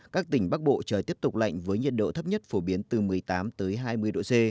các tỉnh bắc bộ trời tiếp tục lạnh với nhiệt độ thấp nhất phổ biến từ một mươi tám hai mươi độ c